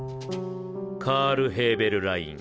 カール・ヘーベルライン。